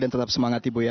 dan tetap semangat ibu ya